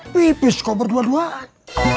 pipis kok berdua duaan